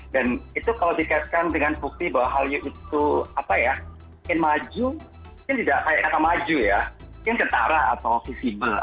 dan itu kalau dikaitkan dengan bukti bahwa hallyu itu apa ya mungkin maju mungkin tidak kata maju ya mungkin cetara atau visibel